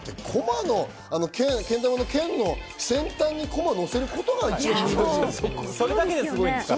けん玉の剣の先端にコマのせることが無理ですから。